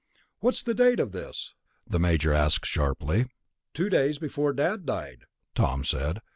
"What was the date of this?" the Major asked sharply. "Two days before Dad died," Tom said.